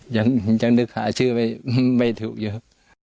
ยังยังนึกหาชื่อไม่ถูกอยู่